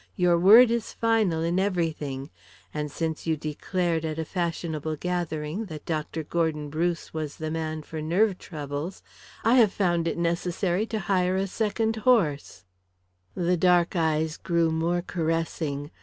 Your word is final in everything. And since you declared at a fashionable gathering that Dr. Gordon Bruce was the man for nerve troubles I have found it necessary to hire a second horse." The dark eyes grew more caressing.